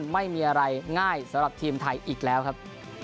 สำหรับอาเซียนไม่มีอะไรง่ายสำหรับทีมไทยอีกแล้วครับ